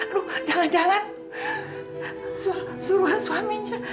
aduh jangan jangan suruhan suaminya